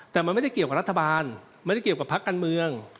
แต่มันไม่ได้เกี่ยวกับรัฐบาลไม่ได้เกี่ยวกับพักการเมือง